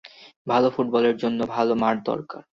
ভালো ফুটবলের জন্য ভালো মাঠ দরকার।